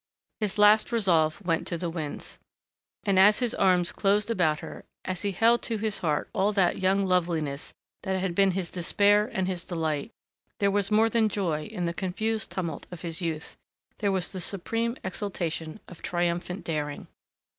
His last resolve went to the winds. And as his arms closed about her, as he held to his heart all that young loveliness that had been his despair and his delight, there was more than joy in the confused tumult of his youth, there was the supreme exultation of triumphant daring.